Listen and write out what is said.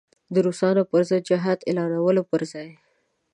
د روسانو پر ضد جهاد اعلانولو پر ځای.